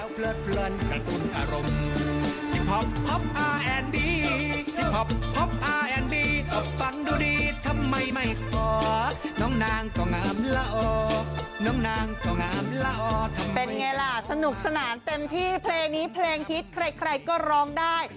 เป็นไงล่ะสนุกสนานเต็มที่เพลงนี้เพลงฮิตใครก็ร้องได้